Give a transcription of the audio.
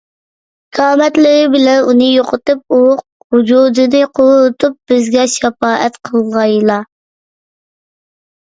كارامەتلىرى بىلەن ئۇنى يوقىتىپ، ئۇرۇق - ۋۇجۇدىنى قۇرۇتۇپ، بىزگە شاپائەت قىلغايلا.